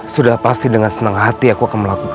sudah pasti dengan senang hati aku akan melakukan